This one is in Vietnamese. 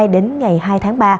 đến ngày hai tháng ba